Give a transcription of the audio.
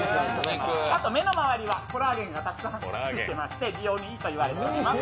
目の周りはコラーゲンがたくさんついていまして美容にいいと言われております。